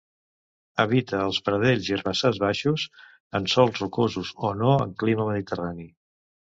Habita els pradells i herbassars baixos, en sols rocosos o no en clima mediterrani.